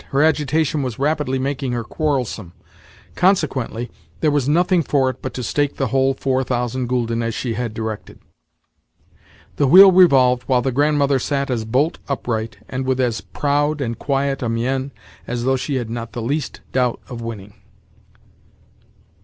Her agitation was rapidly making her quarrelsome. Consequently, there was nothing for it but to stake the whole four thousand gülden as she had directed. The wheel revolved while the Grandmother sat as bolt upright, and with as proud and quiet a mien, as though she had not the least doubt of winning.